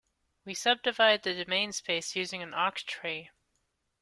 We subdivide the domain space using an octree.